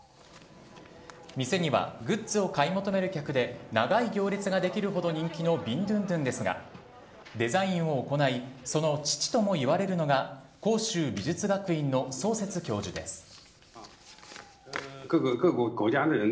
店にはグッズを買い求める客で長い行列ができるほど人気のビンドゥンドゥンですがデザインを行いその父ともいわれるのが広州美術学院の曹雪教授です。